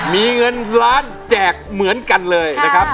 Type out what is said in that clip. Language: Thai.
มีเงินล้านแจกเหมือนกันเลยนะครับ